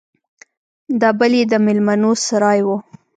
دا بل يې د ميلمنو سراى و.